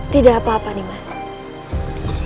tidak apa apa ndang lies